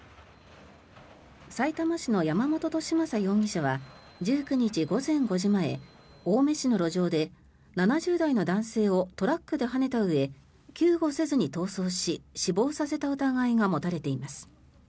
さいたま市の山本寿正容疑者は１９日午前５時前青梅市の路上で７０代の男性をトラックではねたうえ救護せずに逃走し死亡させた疑いが持たれています。